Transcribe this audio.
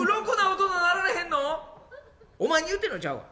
「お前に言うてんのちゃうわ。